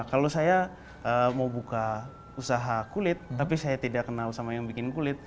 kalau saya mau buka usaha kulit tapi saya tidak kenal sama yang bikin kulit